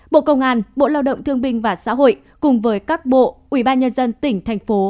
bộ công an bộ lao động thương binh và xã hội cùng với các bộ ủy ban nhân dân tp hcm